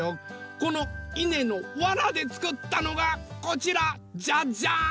このいねのわらでつくったのがこちら！じゃじゃん！